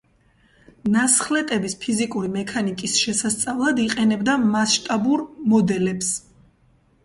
ნასხლეტების ფიზიკური მექანიკის შესასწავლად იყენებდა მასშტაბურ მოდელებს.